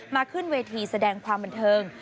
ขึ้นเวทีแสดงความบันเทิง